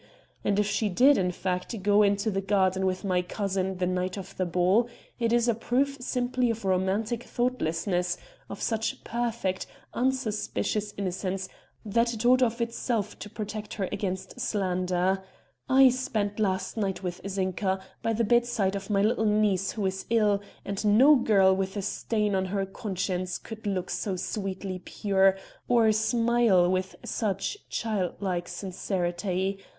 And if she did, in fact, go into the garden with my cousin the night of the ball, it is a proof simply of romantic thoughtlessness, of such perfect, unsuspicious innocence that it ought of itself avail to protect her against slander. I spent last night with Zinka, by the bedside of my little niece who is ill, and no girl with a stain on her conscience could look so sweetly pure or smile with such childlike sincerity.